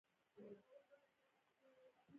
د مډرن اسلام په بحث کې د بنسټپالنې پل.